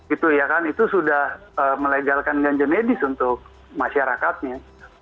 itu sudah melegalkan ganja medis untuk masyarakatnya